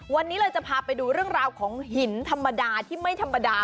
วันนี้เลยจะพาไปดูเรื่องราวของหินธรรมดาที่ไม่ธรรมดา